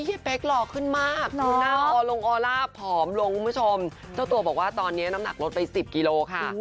เป๊กหล่อขึ้นมากหน้าออลงออร่าผอมลงคุณผู้ชมเจ้าตัวบอกว่าตอนนี้น้ำหนักลดไป๑๐กิโลค่ะ